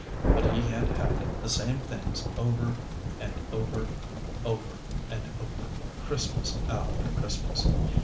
But he had had the same things over and over, over and over, Christmas after Christmas.